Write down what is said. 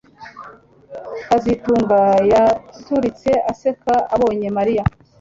kazitunga yaturitse aseka abonye Mariya